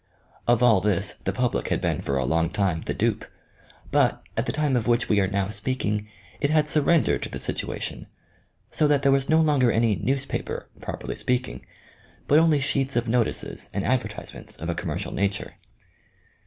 Of all this the public had been for a long time the dupe ; but, at the time of which we are now speaking, it had surrendered to the situation, so that there was no longer any newspaper, properly speaking, but only sheets of notices and advertisements of a com mercial nature.